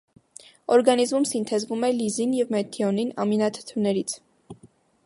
Օրգանիզմում սինթեզվում է լիզին և մեթիոնին ամինաթթուներից։